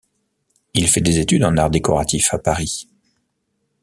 Il fait des études en arts décoratifs à Paris.